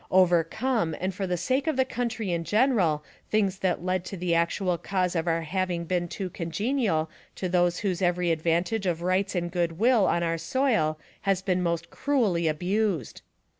Overcome and for the sake of the country in general things that led to the actual cause of our having been too congenial to those whose every advantage of rights and good will on our soil has been most cruelly abused.